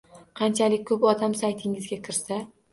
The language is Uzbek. Qanchalik ko’p odam saytingizga kirsa